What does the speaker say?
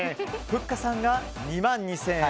ふっかさんが２万２０００円。